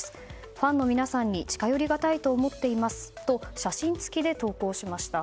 ファンの皆さんに近寄りがたいと思っていますと写真付きで投稿しました。